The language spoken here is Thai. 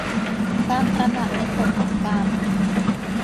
การตระหนักในกฎแห่งกรรม